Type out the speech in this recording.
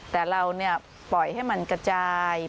แต่เราปล่อยให้มันกระจาย